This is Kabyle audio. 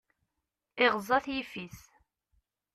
Iɣeẓẓa-t yiffis.